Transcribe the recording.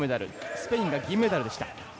スペインが銀メダルでした。